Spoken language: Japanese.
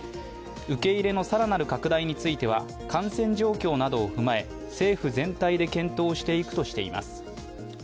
受け入れの更なる拡大については、感染状況などを踏まえ政府全体で検討していくとしています。